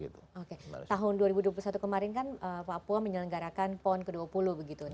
tahun dua ribu dua puluh satu kemarin kan papua menyelenggarakan pon ke dua puluh begitu